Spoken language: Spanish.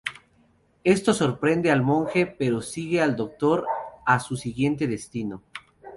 Esto sorprende al Monje, pero sigue al Doctor a su siguiente destino.